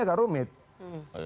ada yang promosi ya